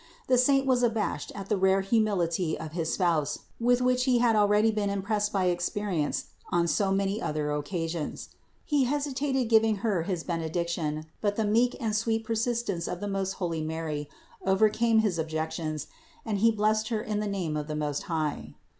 The saint was abashed at the rare humility of his Spouse, with which He had already been impressed by experience on so many other occasions. He hesitated giving Her his benedic tion ; but the meek and sweet persistence of the most holy Mary overcame his objections and he blessed Her in the name of the Most High.